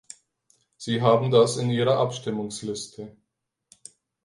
Sie haben das in Ihrer Abstimmungsliste.